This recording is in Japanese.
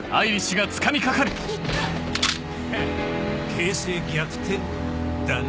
形勢逆転だな。